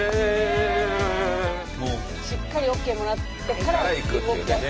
しっかりＯＫもらってから動きだす。